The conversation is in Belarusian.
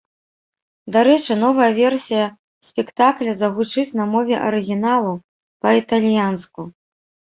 Дарэчы, новая версія спектакля загучыць на мове арыгіналу, па-італьянску.